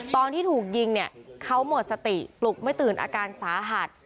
ตอนที่ถูกยิงเนี่ยเขาหมดสติปลุกไม่ตื่นอาการสาหัส